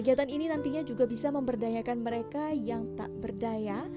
kegiatan ini nantinya juga bisa memberdayakan mereka yang tak berdaya